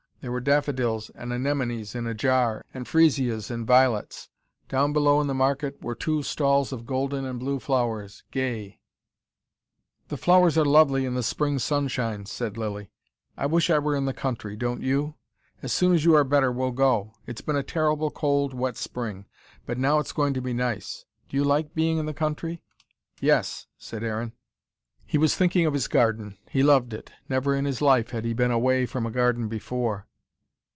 There were daffodils and anemones in a jar, and freezias and violets. Down below in the market were two stalls of golden and blue flowers, gay. "The flowers are lovely in the spring sunshine," said Lilly. "I wish I were in the country, don't you? As soon as you are better we'll go. It's been a terrible cold, wet spring. But now it's going to be nice. Do you like being in the country?" "Yes," said Aaron. He was thinking of his garden. He loved it. Never in his life had he been away from a garden before.